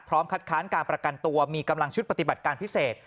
คัดค้านการประกันตัวมีกำลังชุดปฏิบัติการพิเศษ